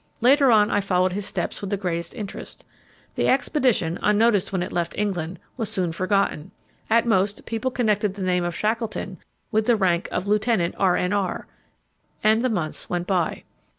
Later on I followed his steps with the greatest interest. The expedition, unnoticed when it left England, was soon forgotten. At most, people connected the name of Shackleton with the rank of "Lieutenant R.N.R." And the months went by